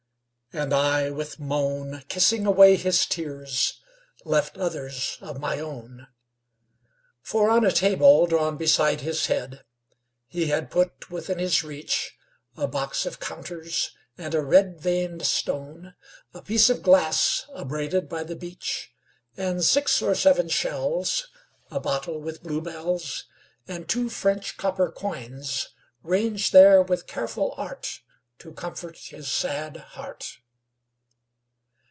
And I, with moan, Kissing away his tears, left others of my own; For, on a table drawn beside his head, He had put, within his reach, 15 A box of counters and a red vein'd stone, A piece of glass abraded by the beach, And six or seven shells, A bottle with bluebells, And two French copper coins, ranged there with careful art, 20 To comfort his sad heart.